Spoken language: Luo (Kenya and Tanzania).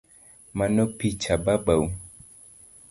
Mano picha babau?